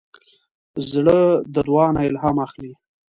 زړه د دعا نه الهام اخلي.